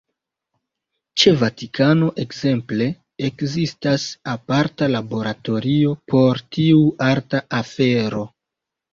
Ĉe Vatikano, ekzemple, ekzistas aparta laboratorio por tiu arta afero.